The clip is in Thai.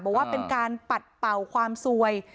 บอกว่าเป็นการปัดเป่าความสวย